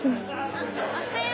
あっおはよ！